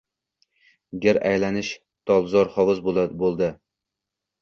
Gir aylanmish tolzor hovuz bo‘ldi.